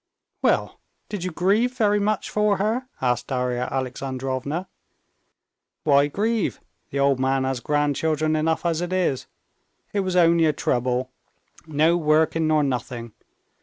"Well, did you grieve very much for her?" asked Darya Alexandrovna. "Why grieve? The old man has grandchildren enough as it is. It was only a trouble. No working, nor nothing.